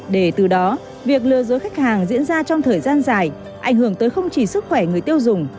để từ đó việc lừa dối khách hàng diễn ra trong thời gian dài ảnh hưởng tới không chỉ sức khỏe người tiêu dùng